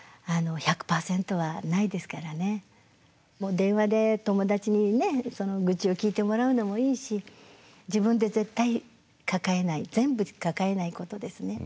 電話で友達にね愚痴を聞いてもらうのもいいし自分で絶対抱えない全部抱えないことですねと思います。